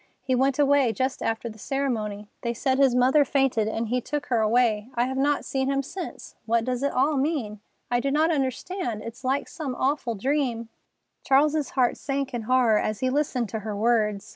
He went away just after the ceremony. They said his mother fainted and he took her away. I have not seen him since. What does it all mean? I do not understand. It is like some awful dream." Charles's heart sank in horror as he listened to her words.